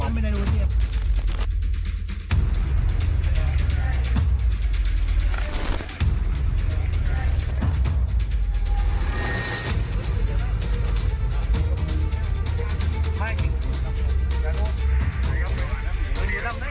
กูมาเจ๊งมันไปในโรงพยาบาลเยี่ยม